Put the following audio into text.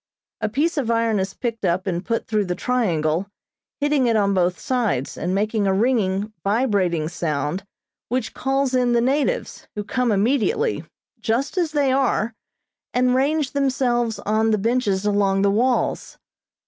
A piece of iron is picked up and put through the triangle, hitting it on both sides, and making a ringing, vibrating sound which calls in the natives, who come immediately, just as they are, and range themselves on the benches along the walls.